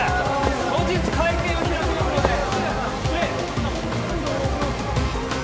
後日会見を開きますので失礼！